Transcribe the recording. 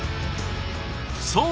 そう！